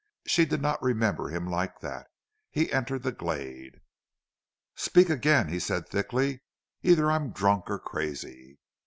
She did not remember him like that. He entered the glade. "Speak again!" he said, thickly. "Either I'm drunk or crazy!"